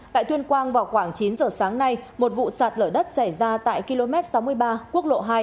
tại tuyên quang vào khoảng chín giờ sáng nay một vụ sạt lở đất xảy ra tại km sáu mươi ba quốc lộ hai